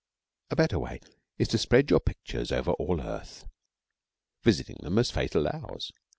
A better way is to spread your picture over all earth; visiting them as Fate allows.